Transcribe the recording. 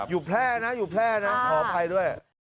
อยู่แพร่นะอยู่แพร่นะขออภัยด้วย